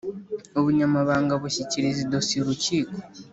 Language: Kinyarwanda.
Ubunyamabanga bushyikiriza idosiye urukiko